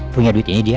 punya duit ini dia